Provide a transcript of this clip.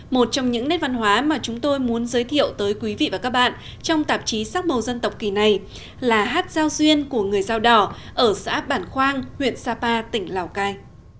một trong những nét văn hóa mà chúng tôi muốn giới thiệu tới quý vị và các bạn trong tạp chí sắc màu dân tộc kỳ này là hát giao duyên của người dao đỏ ở xã bản khoang huyện sapa tỉnh lào cai